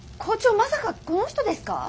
まさかこの人ですか？